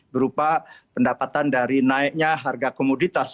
karena pendapatan dari naiknya harga komoditas